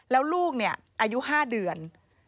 แล้วลูกเนี่ยอายุ๕เดือน